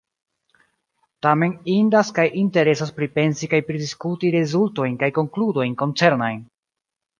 Tamen indas kaj interesas pripensi kaj pridiskuti rezultojn kaj konkludojn koncernajn.